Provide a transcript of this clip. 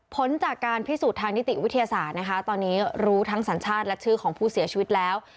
ผลจากการพิสูจน์ทางนิติวิทยาศาสตร์นะคะตอนนี้รู้ทั้งสัญชาติและชื่อของผู้เสียชีวิตแล้ว